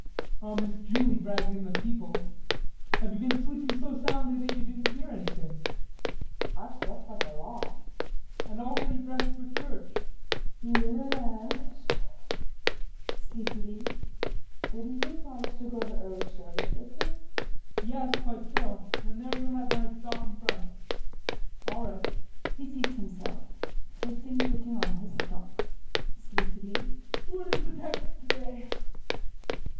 Oh, Miss Julie dragged in the people. Have you been sleeping so soundly that you didn't hear anything? KRISTIN. I've slept like a log. JEAN. And already dressed for church! KRISTIN. Ye es, [Sleepily] didn't you promise to go to early service with me? JEAN. Yes, quite so, and there you have my stock and front. All right. [He seats himself. Kristin putting on his stock.] JEAN [Sleepily]. What is the text today?